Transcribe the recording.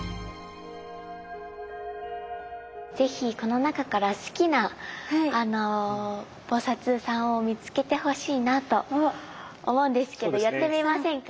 是非この中から好きな菩さんを見つけてほしいなと思うんですけどやってみませんか？